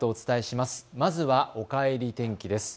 まずはおかえり天気です。